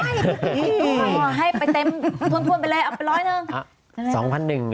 ต้องก็ให้ไปเต็มทวนไปเลยเอาไปร้อยหนึ่ง